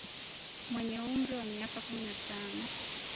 mwenye umri wa miaka kumi na tano